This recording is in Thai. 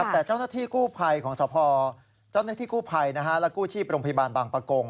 แต่เจ้าหน้าที่กู้ภัยของสภพและกู้ชีพโรงพยาบาลบางประกง